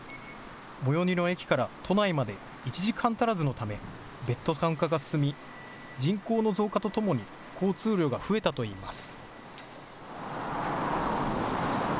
最寄りの駅から都内まで１時間足らずのためベッドタウン化が進み人口の増加とともに交通量が増えたといいます。